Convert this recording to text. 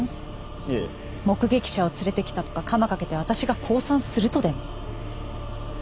目撃者を連れてきたとか鎌かけて私が降参するとでも？